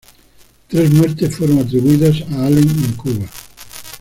Tres muertes fueron atribuidas a Allen en Cuba.